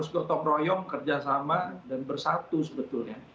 gotong royong kerja sama dan bersatu sebetulnya